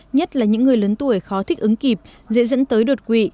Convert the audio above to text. nhất là những người lớn tuổi khó thích ứng kịp dễ dẫn tới đột quỵ